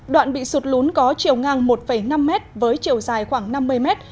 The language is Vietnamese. đoạn bị sụt lún có chiều ngang một năm mét với chiều dài khoảng năm mươi mét